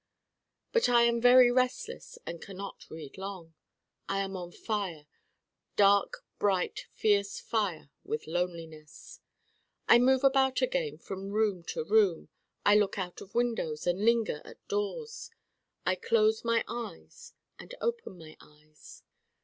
But I am very restless and cannot read long. I am on fire dark bright fierce fire with Loneliness. I move about again from room to room. I look out of windows and linger at doors. I close my eyes and open my eyes.